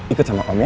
ikut sama om ya